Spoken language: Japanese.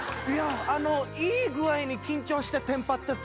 いい具合に緊張してテンパってて。